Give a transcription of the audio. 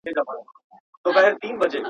څو مېرمني او نوکر راوړل ډانګونه.